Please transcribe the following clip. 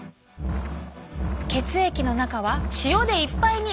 血液の中は塩でいっぱいに！